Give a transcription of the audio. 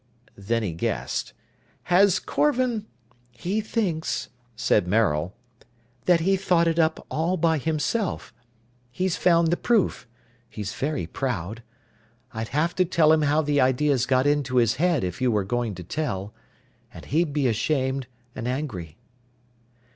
Then he guessed. "Has Korvan " "He thinks," said Maril, "that he thought it up all by himself. He's found the proof. He's very proud. I'd have to tell him how the ideas got into his head if you were going to tell. And he'd be ashamed and angry."